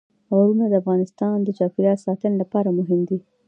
غرونه د افغانستان د چاپیریال ساتنې لپاره مهم دي.